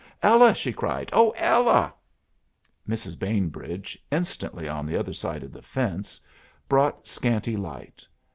"Ella!" she cried. "Oh, Ella!" Mrs. Bainbridge, instantly on the other side of the fence, brought scanty light.